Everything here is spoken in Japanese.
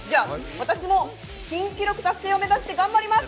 私も新記録達成を目指して頑張ります。